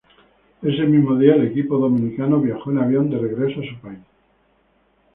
Ese mismo día el equipo dominicano viajó en avión de regreso a su país.